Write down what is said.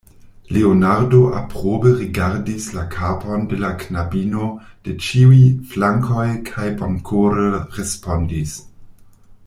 Leonardo aprobe rigardis la kapon de la knabino de ĉiuj flankoj kaj bonkore respondis: